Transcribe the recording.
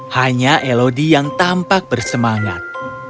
hanya elodi yang tampak bersemangat